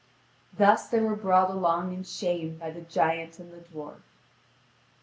Thus they were brought along in shame by the giant and the dwarf.